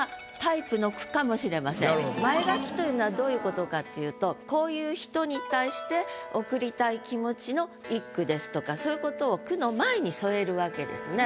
前書きというのはどういうことかっていうとこういう人に対して送りたい気持ちの一句ですとかそういうことを句の前に添えるわけですね。